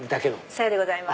さようでございます。